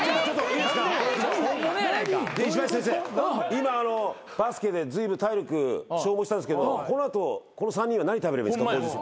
今バスケでずいぶん体力消耗したんですけどこの後この３人は何食べればいいですか？